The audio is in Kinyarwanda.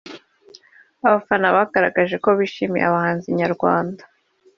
abafana bagaragaje ko bishimiye abahanzi nyarwanda